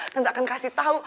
tante akan kasih tahu